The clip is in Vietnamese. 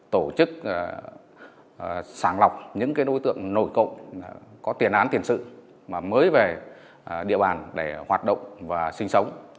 tổ chức sàng lọc những đối tượng nổi cộng có tiền án tiền sự mà mới về địa bàn để hoạt động và sinh sống